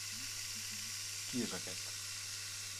Qui és aquest?